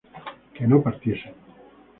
que no partiesen